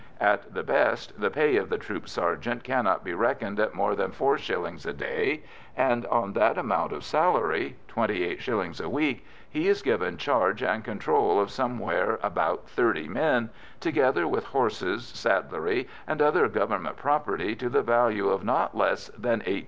At the best, the pay of the troop sergeant cannot be reckoned at more than four shillings a day, and on that amount of salary twenty eight shillings a week he is given charge and control of somewhere about thirty men, together with horses, saddlery, and other Government property to the value of not less than £1800.